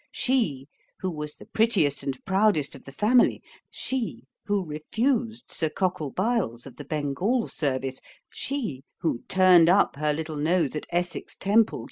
She, who was the prettiest and proudest of the family; she, who refused Sir Cockle Byles, of the Bengal Service; she, who turned up her little nose at Essex Temple, Q.